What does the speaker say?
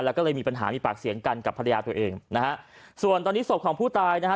แล้วก็เลยมีปัญหามีปากเสียงกันกับภรรยาตัวเองนะฮะส่วนตอนนี้ศพของผู้ตายนะฮะ